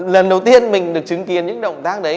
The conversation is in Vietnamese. lần đầu tiên mình được chứng kiến những động tác đấy